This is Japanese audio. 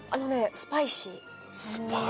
スパイシー。